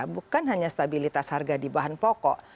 bukan hanya stabilitas harga di bahan pokok